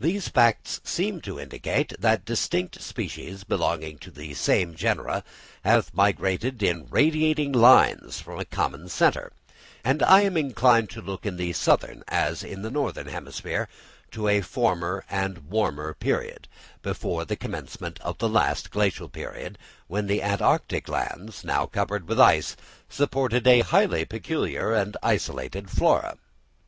The facts seem to indicate that distinct species belonging to the same genera have migrated in radiating lines from a common centre; and I am inclined to look in the southern, as in the northern hemisphere, to a former and warmer period, before the commencement of the last Glacial period, when the Antarctic lands, now covered with ice, supported a highly peculiar and isolated flora.